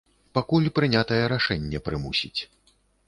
Пакуль прынятае рашэнне прымусіць.